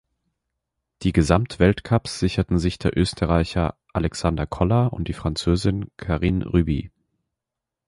Die Gesamtweltcups sicherten sich der Österreicher Alexander Koller und die Französin Karine Ruby.